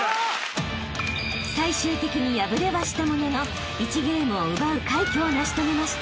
［最終的に敗れはしたものの１ゲームを奪う快挙を成し遂げました］